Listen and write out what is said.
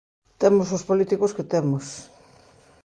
Temos os políticos que temos...